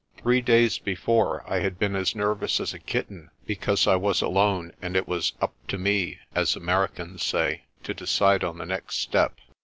Three days before I had been as nervous as a kitten because I was alone and it was "up to me," as Americans say, to decide on the next step.